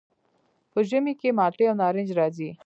په ژمي کې مالټې او نارنج راځي.